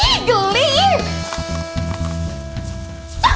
buang cepetan ih geli